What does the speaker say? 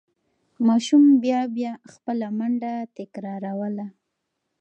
ماشوم بیا بیا خپله منډه تکراروله.